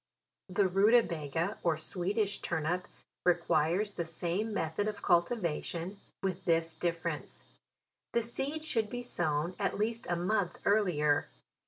The ruta baga, or Swedish turnip, requires the same method of cultivation, with this difference : the seed should be sown at least a month earlier.